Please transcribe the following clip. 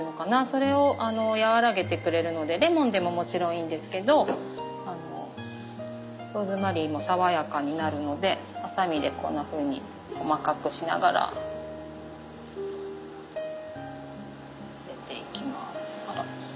それを和らげてくれるのでレモンでももちろんいいんですけどローズマリーも爽やかになるのでハサミでこんなふうに細かくしながら入れていきます。